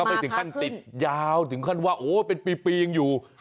ไม่ถึงขั้นติดยาวถึงขั้นว่าโอ้เป็นปียังอยู่